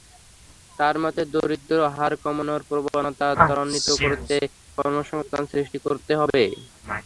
তাঁর মতে, দারিদ্র্য হার কমানোর প্রবণতা ত্বরান্বিত করতে কর্মসংস্থান সৃষ্টি করতে হবে।